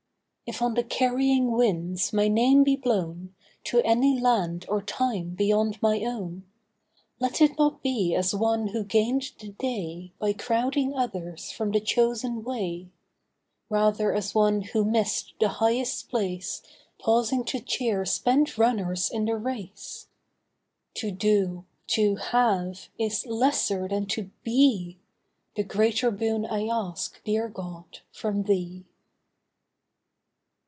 If on the carrying winds my name be blown To any land or time beyond my own, Let it not be as one who gained the day By crowding others from the chosen way; Rather as one who missed the highest place Pausing to cheer spent runners in the race. To do—to have—is lesser than to BE: The greater boon I ask, dear God, from Thee.